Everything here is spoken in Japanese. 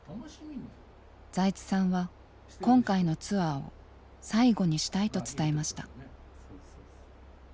財津さんは今回のツアーを「最後にしたい」と伝えました。